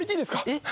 えっ？